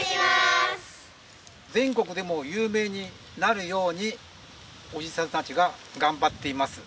全国でも有名になるようにおじさんたちが頑張っています。